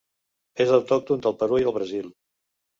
És autòcton del Perú i el Brasil.